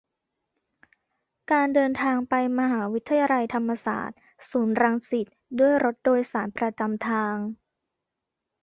การเดินทางไปมหาวิทยาลัยธรรมศาสตร์ ศูนย์รังสิต ด้วยรถโดยสารประจำทาง